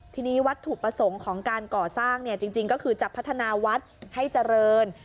ทีนี้วัตถุประสงค์ของการก่อสร้างจริงก็คือจะพัฒนาวัดให้เจริญ